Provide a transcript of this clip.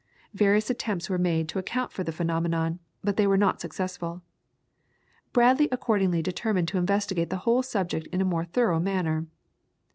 Various attempts were made to account for the phenomenon, but they were not successful. Bradley accordingly determined to investigate the whole subject in a more thorough manner.